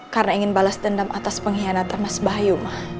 karena ingin balas dendam atas pengkhianat mas bayu